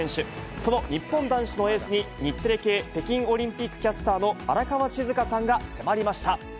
その日本男子のエースに、日テレ系北京オリンピックキャスターの荒川静香さんが迫りました。